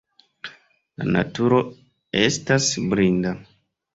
La naturo estas blinda.